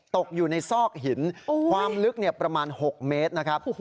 ตกอยู่ในซอกหินความลึกประมาณ๖เมตรนะครับ